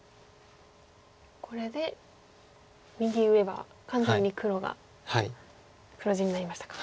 これで右上は完全に黒が黒地になりましたか。